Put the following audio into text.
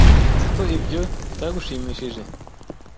Nzi ko ibyo bitagushimishije.